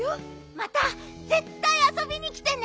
またぜったいあそびにきてね！